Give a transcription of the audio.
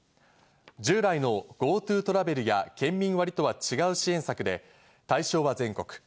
従来のＧｏＴｏトラベルや県民割とは違う支援策で、対象は全国。